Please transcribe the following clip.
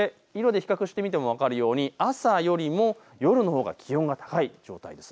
色で比較してみても分かるように朝よりも夜のほうが気温が高い状態です。